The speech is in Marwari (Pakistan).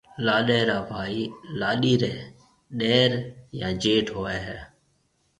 لاڏيَ را ڀائي لاڏيِ ريَ ڏَير يان جيٺ هوئي هيَ۔